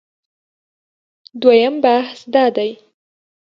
دویم بحث دا دی